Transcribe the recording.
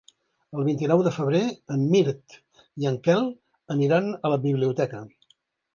El vint-i-nou de febrer en Mirt i en Quel aniran a la biblioteca.